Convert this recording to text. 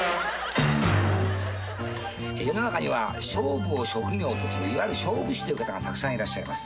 世の中には勝負を職業とするいわゆる勝負師という方がたくさんいらっしゃいます。